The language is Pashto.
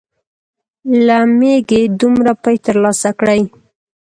له مېږې دومره پۍ تر لاسه کړې.